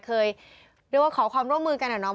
เคยเรียกว่าขอความร่วมมือกันอะเนาะ